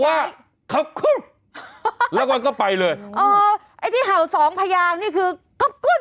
ว่าขอบคุณแล้วก็ก็ไปเลยเออไอ้ที่เห่าสองพญานี่คือขอบคุณ